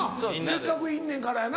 せっかくいんねんからやな。